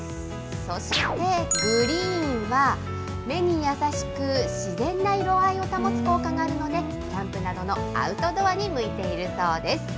そしてグリーンは、目に優しく、自然な色合いを保つ効果があるので、キャンプなどのアウトドアに向いているそうです。